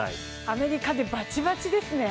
アメリカでバチバチですね。